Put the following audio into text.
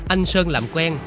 anh sơn làm quen